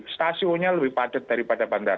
stasiunnya lebih padat daripada bandara